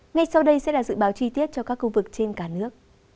ngay sau đây sẽ là dự báo chi tiết cho các khu vực trên cả nước